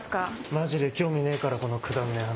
マジで興味ねえからこのくだらねえ話。